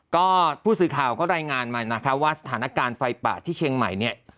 ก็ผู้สื่อข่าวก็รายงานมานะคะว่าสถานการณ์ไฟป่าที่เชียงใหม่เนี่ย